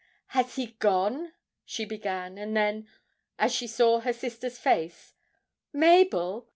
'Has he gone?' she began; and then, as she saw her sister's face, 'Mabel!